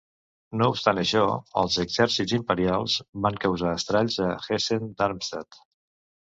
No obstant això, els exèrcits imperials van causar estralls a Hessen-Darmstadt.